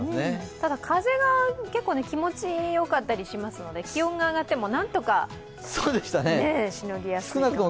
ただ風が結構、気持ちよかったりしますので、気温が上がっても何とかしのぎやすいかも。